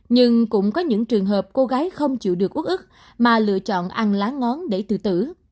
nhưng cũng có những trường hợp cô gái không chịu được út ức mà lựa chọn ăn lá ngón để tự tử